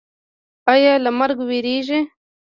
ایا له مرګ ویریږئ؟